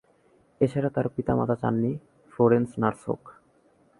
এছাড়া তার পিতা-মাতা চাননি ফ্লোরেন্স নার্স হোক।